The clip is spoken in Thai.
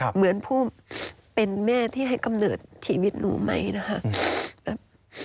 เหมือนผู้เป็นแม่ที่ให้กำเนิดชีวิตหนูไหมนะคะ